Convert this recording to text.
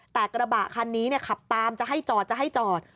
แต่กระบะคันนี้ขับตามจะให้จอดจะให้จอด